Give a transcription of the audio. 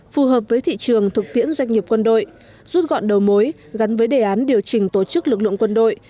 phù hợp với thị trường thực tiễn doanh nghiệp quân đội rút gọn đầu mối gắn với đề án điều chỉnh tổ chức lực lượng quân đội